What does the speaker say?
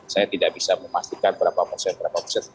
saya tidak bisa memastikan berapa persen berapa persen